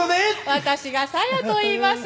私がサヤといいます。